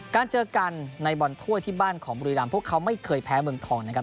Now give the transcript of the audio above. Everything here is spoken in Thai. เจอกันในบอลถ้วยที่บ้านของบุรีรำพวกเขาไม่เคยแพ้เมืองทองนะครับ